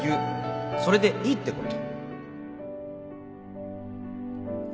それでいいってこと